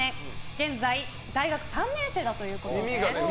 現在大学３年生ということです。